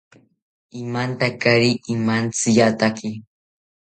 Imantakari imantziyataki